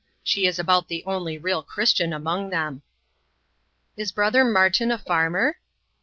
She is about the only real Christian among them." "Is brother Martin a farmer?"